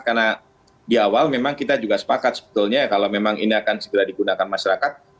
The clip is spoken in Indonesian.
karena di awal memang kita juga sepakat sebetulnya kalau memang ini akan segera digunakan masyarakat